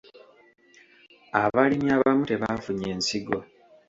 Abalimi abamu tebaafunye nsigo.